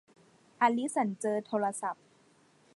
อลิสันเจอโทรศัพท์